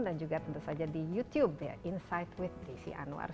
dan juga tentu saja di youtube insight with desi anwar